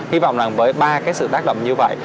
hi vọng là với ba cái sự tác động như vậy